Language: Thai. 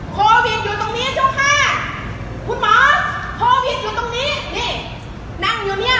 โควิดอยู่ตรงนี้เจ้าค่ะคุณหมอโควิดอยู่ตรงนี้นี่นั่งอยู่เนี่ย